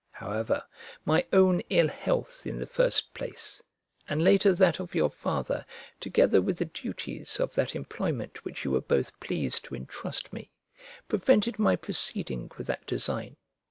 However, my own ill health in the first place, and later that of your father, together with the duties of that employment which you were both pleased to entrust me, prevented my proceeding with that design.